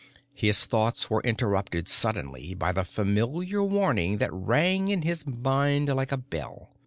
His thoughts were interrupted suddenly by the familiar warning that rang in his mind like a bell.